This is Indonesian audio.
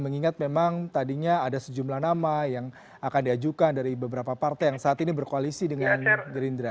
mengingat memang tadinya ada sejumlah nama yang akan diajukan dari beberapa partai yang saat ini berkoalisi dengan gerindra